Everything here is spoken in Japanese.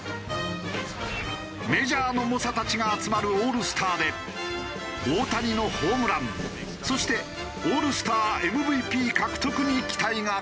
メジャーの猛者たちが集まるオールスターで大谷のホームランそしてオールスターＭＶＰ獲得に期待がかかる。